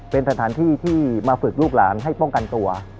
เป็นสถานที่ที่มาฝึกลูกหลานให้ป้องกันตัว